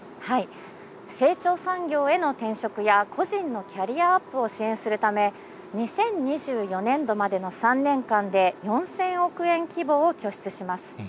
成長産業への転職や個人のキャリアアップを支援するため、２０２４年度までの３年間で４０００億円規模を拠出します。